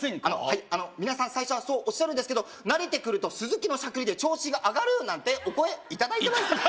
あのはいあの皆さん最初はそうおっしゃるんですけど慣れてくるとスズキのしゃくりで調子が上がるなんてお声いただいてます